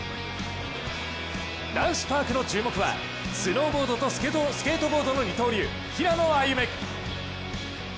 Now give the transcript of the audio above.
男子パークの注目はスノーボードとスケートボードの二刀流平野歩夢。